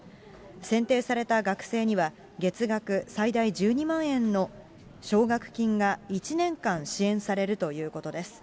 選定された学生には、月額最大１２万円の奨学金が１年間支援されるということです。